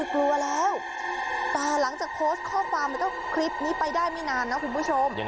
แต่หลังจากโฟสข้อความเราก็คลิสต์นี้ไปได้ไม่นานนะคุณผู้ชม